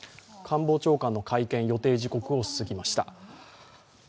官房長官の会見、予定時刻を過ぎました。